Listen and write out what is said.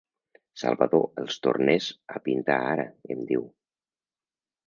Salvador els tornés a pintar ara –em diu.